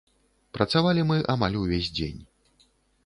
Працавалі мы амаль увесь дзень.